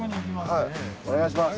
お願いします。